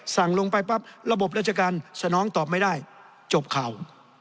สั่งลงไปปั๊บระบบราชการสนองตอบไม่ได้จบข่าว